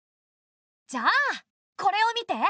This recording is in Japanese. じゃあこれを見て。